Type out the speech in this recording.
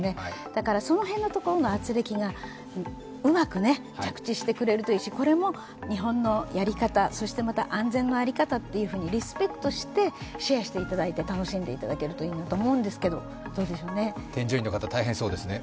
だから、その辺のところのあつれきがうまく着地してくれるといいし、これも日本のやり方、そしてまた安全の在り方というふうにリスペクトしてシェアしていただいて、楽しんでいただけるといいんですけれどもどうでしょうね？